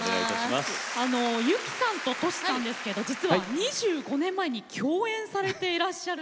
由紀さんとＴｏｓｈｌさんですけど実は２５年前に共演されていらっしゃるんですね。